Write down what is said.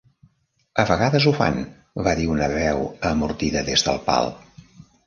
"A vegades ho fan", va dir una veu amortida des del pal.